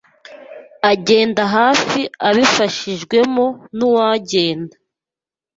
Agenda hafi abifashijwemo nuwagenda.